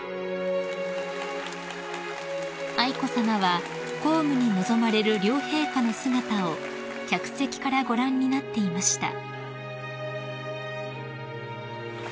［愛子さまは公務に臨まれる両陛下の姿を客席からご覧になっていました］